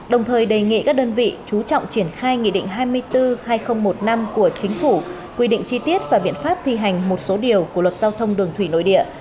đồng thời đề nghị các đơn vị chú trọng triển khai nghị định hai mươi bốn hai nghìn một mươi năm của chính phủ quy định chi tiết và biện pháp thi hành một số điều của luật giao thông đường thủy nội địa